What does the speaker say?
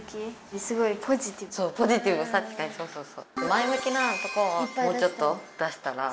前むきなとこをもうちょっと出したら。